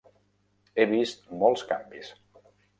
He vist molts canvis.